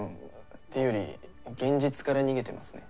っていうより現実から逃げてますね。